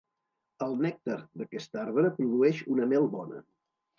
El nèctar d'aquest arbre produeix una mel bona.